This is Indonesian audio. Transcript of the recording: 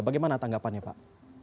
bagaimana tanggapannya pak